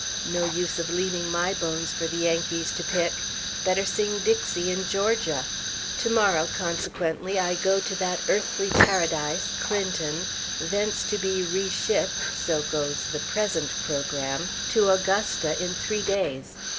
No use of leaving my bones for the Yankees to pick; better sing "Dixie" in Georgia. To morrow, consequently, I go to that earthly paradise, Clinton, thence to be re shipped (so goes the present programme) to Augusta in three days.